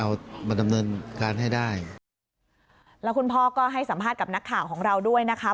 แล้วคุณพ่อก็ให้สัมภาษณ์กับนักข่าวของเราด้วยนะคะ